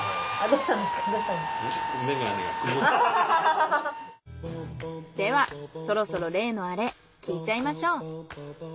ではそろそろ例のアレ聞いちゃいましょう。